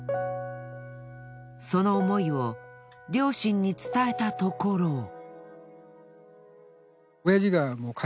その思いを両親に伝えたところ。